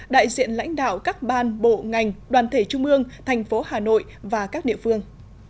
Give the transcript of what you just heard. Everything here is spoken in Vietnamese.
đại diện lãnh đạo các ban bộ ngành đoàn thể trung ương thành phố hà nội và các địa phương